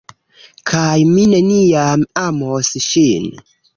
kaj mi neniam amos ŝin!